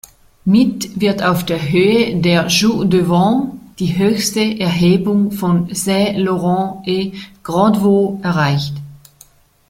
Mit wird auf der Höhe der Joux Devant die höchste Erhebung von Saint-Laurent-en-Grandvaux erreicht.